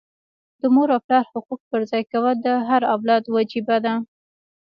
د مور او پلار حقوق پرځای کول د هر اولاد وجیبه ده.